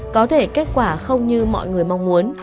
có thể kết quả không như mọi người mong muốn